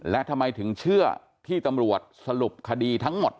และทำไมถึงเชื่อที่ตำรวจสรุปคดีทั้งหมด